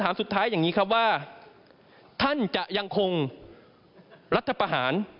ถ้ายังถามว่าจะมีปฏิวัติ